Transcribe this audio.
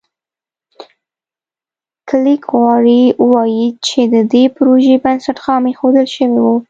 کلېک غواړي ووایي چې د دې پروژې بنسټ خام ایښودل شوی و.